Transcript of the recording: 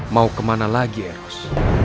mau kemana lagi ya ros